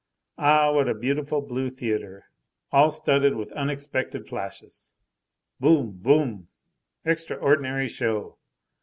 Ah! what a beautiful blue theatre all studded with unexpected flashes! Boum! Boum! extraordinary show!